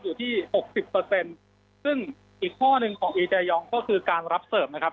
อยู่ที่หกสิบเปอร์เซ็นต์ซึ่งอีกข้อหนึ่งของอีแยองก็คือการรับเสิร์ฟนะครับ